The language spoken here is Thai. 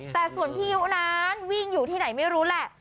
แต่ส่วนพี่ยุนั้นวิ่งอยู่ที่ไหนไม่รู้แหละ